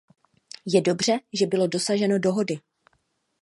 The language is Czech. Je dobře, že bylo dosaženo dohody.